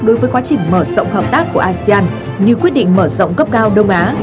đối với quá trình mở rộng hợp tác của asean như quyết định mở rộng cấp cao đông á